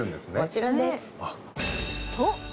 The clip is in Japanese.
もちろんです。